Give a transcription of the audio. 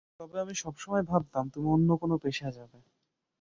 তবে আমি সবসময় ভাবতাম তুমি অন্য কোন পেশায় যাবে।